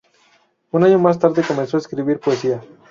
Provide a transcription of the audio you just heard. Un año más tarde comenzó a escribir poesía.